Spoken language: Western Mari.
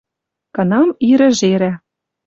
Кынам ирӹ жерӓ